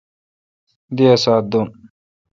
دی اسا ت دوم۔